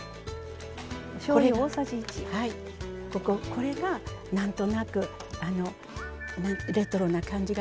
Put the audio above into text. これが何となくレトロな感じがしない？